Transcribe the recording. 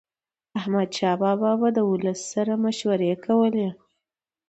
احمدشاه بابا به د ولس سره مشورې کولي.